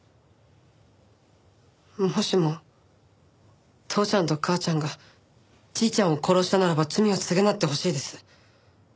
もしも父ちゃんと母ちゃんがじいちゃんを殺したならば罪を償ってほしいです。